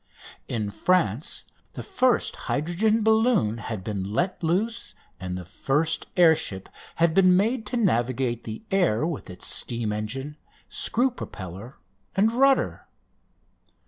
In France the first hydrogen balloon had been let loose and the first air ship had been made to navigate the air with its steam engine, screw propeller, and rudder.